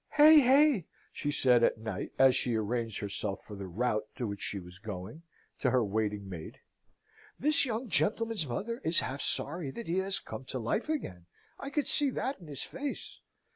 "Hey! hey!" she said, at night, as she arranged herself for the rout to which she was going, to her waiting maid: "this young gentleman's mother is half sorry that he has come to life again, I could see that in his face.